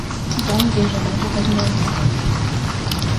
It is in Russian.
Я не вижу даже возможности.